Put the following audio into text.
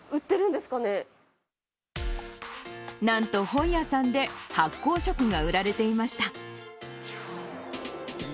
なんと、本屋さんで発酵食が売られていました。